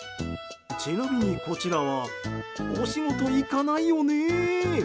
ちなみにこちらはお仕事、行かないよね。